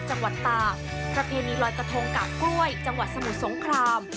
จังหวัดตากประเพณีลอยกระทงกากกล้วยจังหวัดสมุทรสงคราม